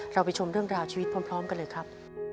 เราไปชมเรื่องราวชีวิตพร้อมกันเลยครับ